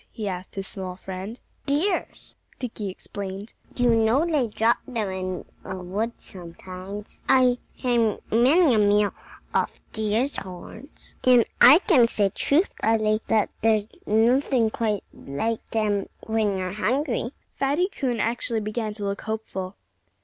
he asked his small friend. "Deer's!" Dickie explained. "You know they drop them in the woods sometimes. I've had many a meal off deer's horns. And I can say truthfully that there's nothing quite like them when you're hungry." Fatty Coon actually began to look hopeful.